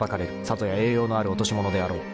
さぞや栄養のある落とし物であろう］